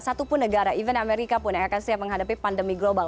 satupun negara even amerika pun yang akan siap menghadapi pandemi global